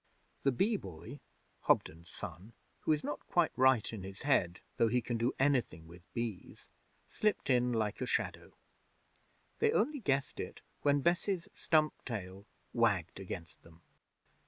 The Bee Boy, Hobden's son, who is not quite right in his head, though he can do anything with bees, slipped in like a shadow. They only guessed it when Bess's stump tail wagged against them.